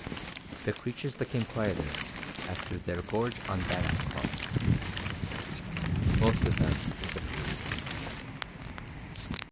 The creatures became quieter after their gorge on bannock crumbs. Most of them disappeared.